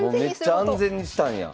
めっちゃ安全にしたんや。